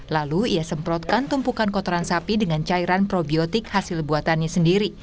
lalu ia semprotkan tumpukan kotoran sapi dengan cairan probiotik hasil buatannya sendiri